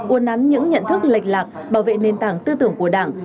uốn nắn những nhận thức lệch lạc bảo vệ nền tảng tư tưởng của đảng